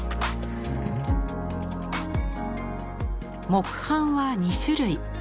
木版は２種類。